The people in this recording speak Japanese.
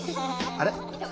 あれ？